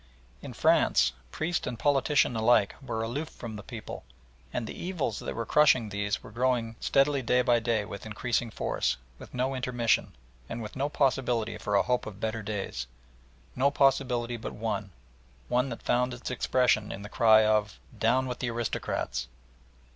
In France priest and politician alike were aloof from the people, and the evils that were crushing these were growing steadily day by day with increasing force, with no intermission, and with no possibility for a hope of better days, no possibility but one one that found its expression in the cry of "Down with the aristocrats!"